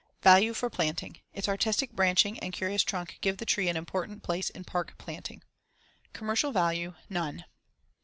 Value for planting: Its artistic branching and curious trunk give the tree an important place in park planting. Commercial value: None.